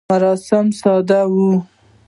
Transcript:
مراسم ساده ول.